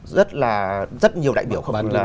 rất là rất nhiều đại biểu